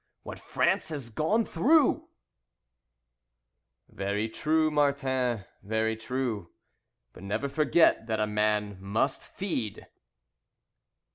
What France has gone through " "Very true, Martin, very true, But never forget that a man must feed."